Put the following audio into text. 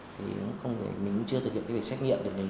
thì không thể mình cũng chưa thực hiện cái việc xét nghiệm được đấy